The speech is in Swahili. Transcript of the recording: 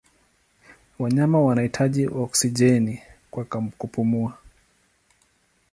Wanyama wanahitaji oksijeni kwa kupumua.